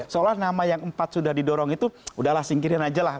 seolah nama yang empat sudah didorong itu udahlah singkirin aja lah